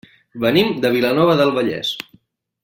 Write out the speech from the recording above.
Venim de Vilanova del Vallès.